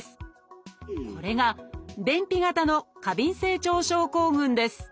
これが便秘型の過敏性腸症候群です